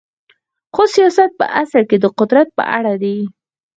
خو سیاست په اصل کې د قدرت په اړه دی.